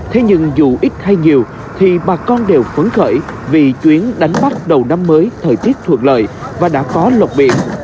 thế nhưng dù ít hay nhiều thì bà con đều phấn khởi vì chuyến đánh bắt đầu năm mới thời tiết thuận lợi và đã có lộc biển